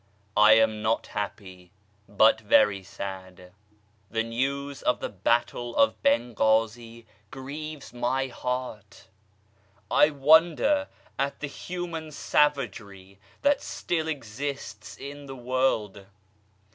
I am not happy, but very sad. The news of the Battle of Benghazi grieves my heart. I wonder at the human savagery that still exists in the world